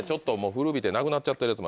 古びてなくなっちゃってるやつも。